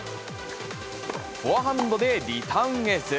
フォアハンドでリターンエース。